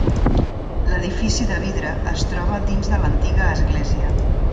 L'edifici de vidre es troba dins de l'antiga església.